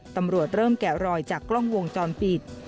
ตำรวจเริ่มแกะรอยจากกล้องวงจรปิด